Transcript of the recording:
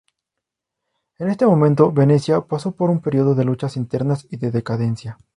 En este momento, Venecia pasó por un período de luchas internas y de decadencia.